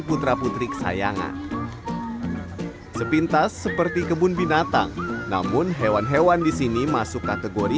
putra putri kesayangan sepintas seperti kebun binatang namun hewan hewan di sini masuk kategori